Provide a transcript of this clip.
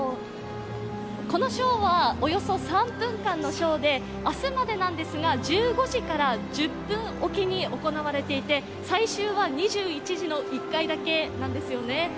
このショーはおよそ３分間のショーで明日までなんですが、１５時から１０分置きに行われていて最終は２１時の１回だけなんですよね